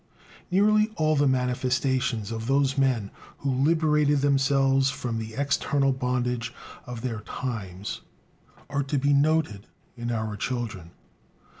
Nearly all the manifestations of those men who liberated themselves from the external bondage of their times are to be noted in our children.